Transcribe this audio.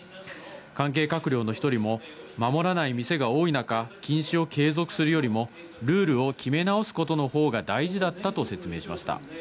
関係閣僚の１人も守らない店が多い中、禁止を継続するよりも、ルールを決めなおすことのほうが大事だったと説明しました。